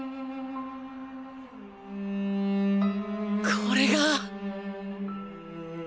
これが。